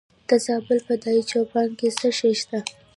د زابل په دایچوپان کې څه شی شته؟